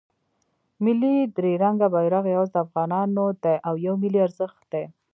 ملی درې رنګه بیرغ یواځې د افغانانو دی او یو ملی ارزښت دی.